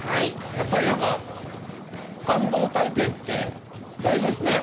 やっぱり何か感動体験って大事ですね。